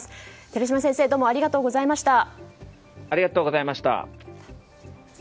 寺嶋先生どうもありがとうございました。